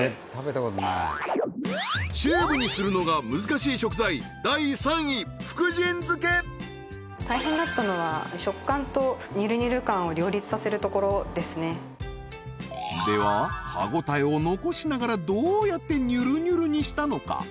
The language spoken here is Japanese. チューブにするのが難しい食材大変だったのは食感とにゅるにゅる感を両立させるところですねでは歯応えを残しながらどうやってにゅるにゅるにしたのか？